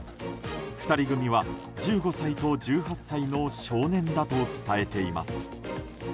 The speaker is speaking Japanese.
２人組は１５歳と１８歳の少年だと伝えています。